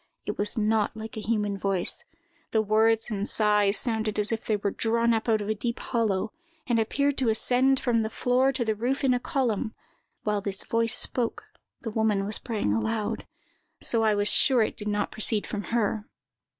It was not like a human voice. The words and sighs sounded as if they were drawn up out of a deep hollow, and appeared to ascend from the floor to the roof in a column; while this voice spoke, the woman was praying aloud: so I was sure it did not proceed from her.